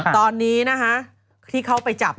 ตอนนี้ที่เขาไปจับ